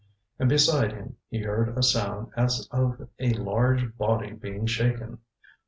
And beside him he heard a sound as of a large body being shaken.